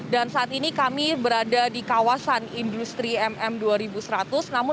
dan saat ini kami berada di kawasan industri mm dua ribu seratus